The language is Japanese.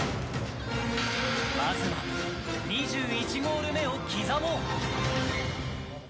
まずは２１ゴール目を刻もう。